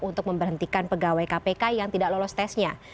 untuk memberhentikan pegawai kpk yang tidak lolos tesnya